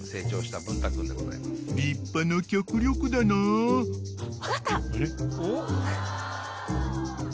［立派な脚力だなぁ］分かった！